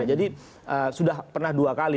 sudah pernah dua kali